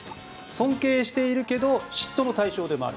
尊敬しているけど嫉妬の対象でもある。